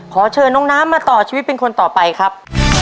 ขอเชิญน้องน้ำมาต่อชีวิตเป็นคนต่อไปครับ